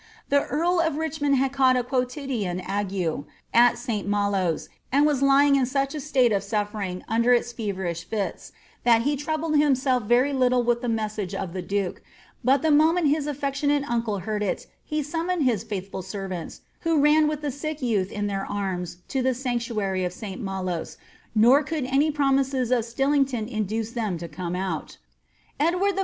The eari of Richmond had caught a quotidian ague at St Malos,' and was lying in such a state of suffering under its feverish fits, that he troubled him self very little with the message of the duke, but the moment his aflec tionate uncle heard it, he summoned his faithful servants, who ran with the sick youth in their arms to the sanctuary of St. Malos, nor coukl any promises of Stillington induce them to come out Edward fV.